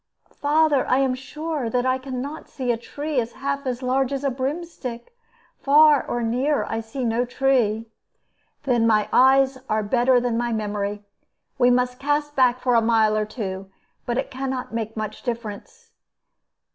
"Father, I am sure that I can not see any tree half as large as a broomstick. Far or near, I see no tree." "Then my eyes are better than my memory. We must cast back for a mile or two; but it can not make much difference."